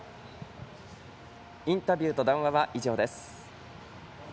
インタビューと談話は以上です。